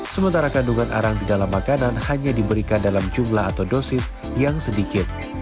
sementara kandungan arang di dalam makanan hanya diberikan dalam jumlah atau dosis yang sedikit